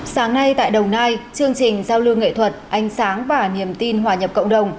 sáng nay tại đồng nai chương trình giao lưu nghệ thuật ánh sáng và niềm tin hòa nhập cộng đồng